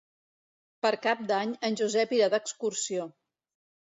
Per Cap d'Any en Josep irà d'excursió.